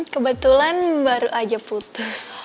kebetulan baru aja putus